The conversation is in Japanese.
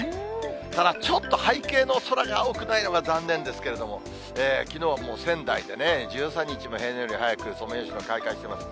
ただちょっと背景の空が青くないのが残念ですけれども、きのうはもう仙台で１３日も平年より早くソメイヨシノ開花してます。